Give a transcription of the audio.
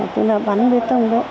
tức là bắn bê tông đó